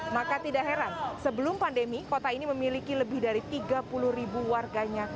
maka tidak heran sebelum pandemi kota ini memiliki lebih dari tiga puluh ribu warganya